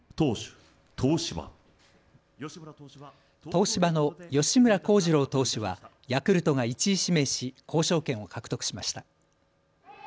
東芝の吉村貢司郎投手はヤクルトが１位指名し交渉権を獲得しました。